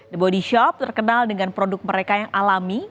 the body shop terkenal dengan produk mereka yang alami